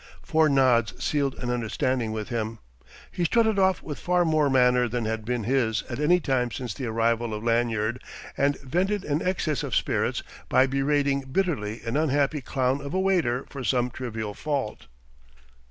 Four nods sealed an understanding with him. He strutted off with far more manner than had been his at any time since the arrival of Lanyard, and vented an excess of spirits by berating bitterly an unhappy clown of a waiter for some trivial fault.